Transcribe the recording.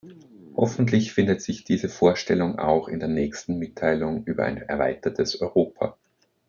Hoffentlich findet sich diese Vorstellung auch in der nächsten Mitteilung über ein erweitertes Europa.